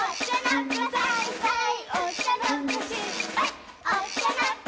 はい！